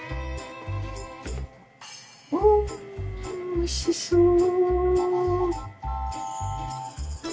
おおおいしそう。